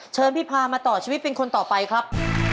เชิญพี่พามาต่อชีวิตเป็นคนต่อไปครับ